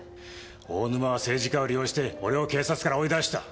大沼は政治家を利用して俺を警察から追い出した。